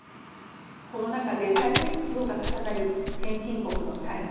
コロナ禍で財政出動が重なり先進国の債務